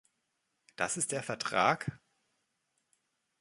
Das ist der Vertrag?